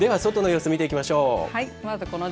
では外の様子を見ていきましょう。